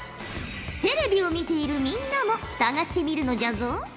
テレビを見ているみんなも探してみるのじゃぞ！